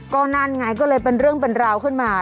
ก็นั่นไงก็เลยเป็นเรื่องเป็นราวขึ้นมา